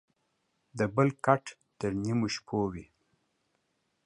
دبل کټ تر نيمو شپو وى.